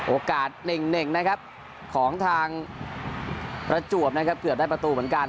โอกาสเน่งนะครับของทางประจวบนะครับเกือบได้ประตูเหมือนกัน